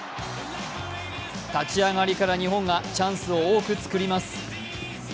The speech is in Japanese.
立ち上がりから日本がチャンスを多く作ります。